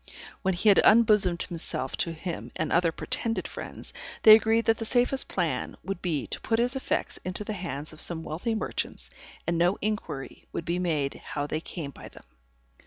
When he had unbosomed himself to him and other pretended friends, they agreed that the safest plan would be to put his effects into the hands of some wealthy merchants, and no inquiry would be made how they came by them.